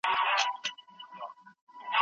مړ سړی په ډګر کي ږدن او اتڼ نه خوښوي.